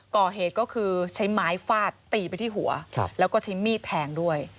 ก่อเหตุก็คือใช้ไม้ฟาดตีไปที่หัวแล้วก็ใช้มีดแทงด้วย